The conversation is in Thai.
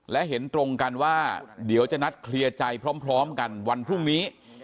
และเห็นตรงกันว่าเดี๋ยวจะนัดเคลียร์ใจพร้อมกันวันพรุ่งนี้